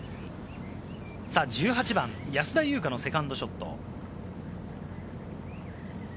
１８番、安田祐香のセカンドショット。